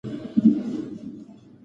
عام کچالو هم بې ګټې نه دي.